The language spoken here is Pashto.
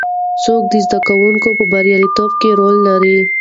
څوک د زده کوونکو په بریالیتوب کې رول لري؟